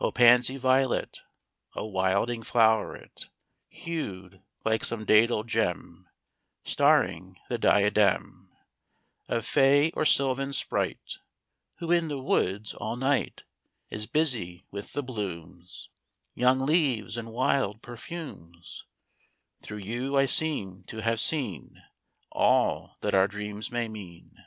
III O pansy violet, O wilding floweret, Hued like some dædal gem Starring the diadem Of fay or sylvan sprite, Who, in the woods, all night Is busy with the blooms, Young leaves and wild perfumes, Through you I seem t' have seen All that our dreams may mean.